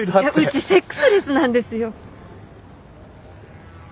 うちセックスレスなんですよ。